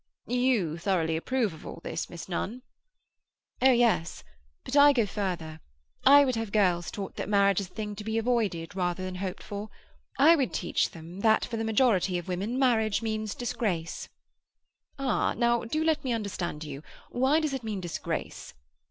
"You thoroughly approve all this, Miss Nunn?" "Oh yes. But I go further. I would have girls taught that marriage is a thing to be avoided rather than hoped for. I would teach them that for the majority of women marriage means disgrace." "Ah! Now do let me understand you. Why does it mean disgrace?"